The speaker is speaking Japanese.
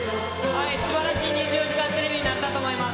すばらしい２４時間テレビになったと思います。